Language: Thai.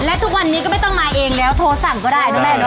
และทุกวันนี้ก็ไม่ต้องมาเองแล้วโทรสั่งก็ได้นะแม่เน